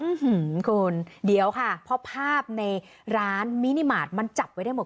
คุณเดี๋ยวค่ะเพราะภาพในร้านมินิมาตรมันจับไว้ได้หมด